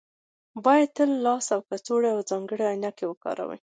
باید تل د لاس کڅوړې او ځانګړې عینکې وکاروئ